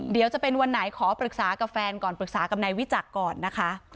เดี๋ยวจะเป็นวันไหนขอปรึกษากับแฟนก่อนปรึกษากับนายวิจักรก่อนนะคะ